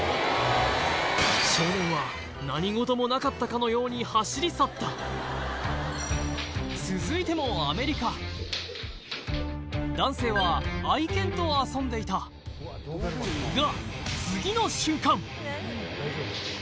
少年は何事もなかったかのように走り去った続いても男性は愛犬と遊んでいたが！